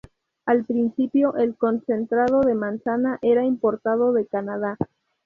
Al principio, el concentrado de manzana era importado de Canadá.